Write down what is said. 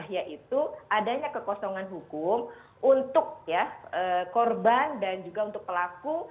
yaitu adanya kekosongan hukum untuk korban dan juga untuk pelaku